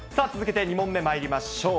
続けて、２問目、まいりましょう。